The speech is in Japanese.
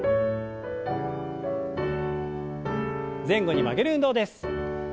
前後に曲げる運動です。